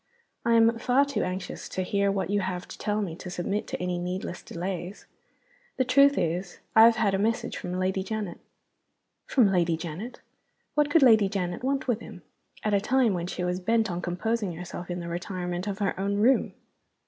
"I am far too anxious to hear what you have to tell me to submit to any needless delays. The truth is, I have had a message from Lady Janet." (From Lady Janet! What could Lady Janet want with him, at a time when she was bent on composing herself in the retirement of her own room?)